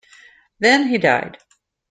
Then he died.